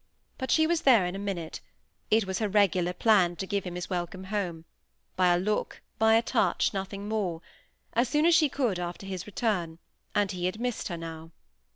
But she was there in a minute; it was her regular plan to give him his welcome home—by a look, by a touch, nothing more—as soon as she could after his return, and he had missed her now.